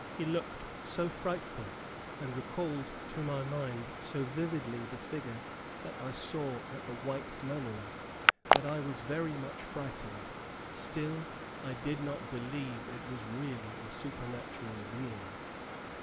He looked so frightful, and recalled to my mind so vividly the figure that I saw at the White Nunnery, that I was very much frightened; still I did not believe it was really a supernatural being.